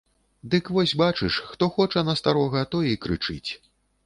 Ды вось, бачыш, хто хоча на старога, той і крычыць.